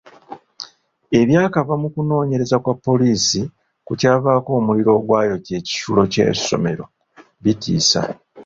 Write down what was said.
Ebyakava mu kunoonyereza kwa poliisi ku kyavaako omuliro ogwayokya ekisulo ky'essomero bitiisa.